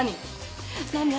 何？